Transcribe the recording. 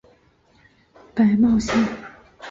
白茂线